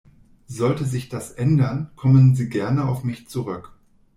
Sollte sich das ändern, kommen Sie gerne auf mich zurück!